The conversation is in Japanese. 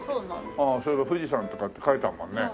ああそういえば富士山とかって書いてあるもんね。